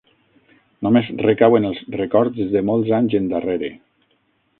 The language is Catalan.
Només recau en els records de molts anys endarrere